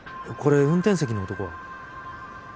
これ運転席の男は？